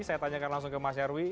saya tanyakan langsung ke mas nyarwi